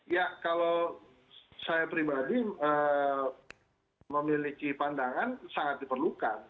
ya kalau saya pribadi memiliki pandangan sangat diperlukan